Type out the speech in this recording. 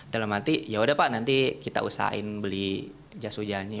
dalam hati yaudah pak nanti kita usahain beli jas hujannya